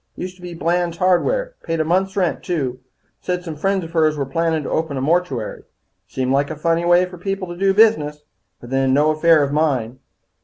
Used to be Blands Hardware. Paid a month's rent, too. Said some friends of hers were plannin' to open a mortuary. Seemed like a funny way for people to do business, but then, no affair of mine."